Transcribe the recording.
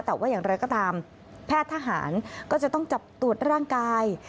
แต่ว่าอย่างไรก็ตามแพทย์ทหารก็จะต้องจับตรวจร่างกาย